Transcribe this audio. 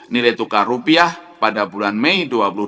nilai tukar rupiah pada bulan mei dua ribu dua puluh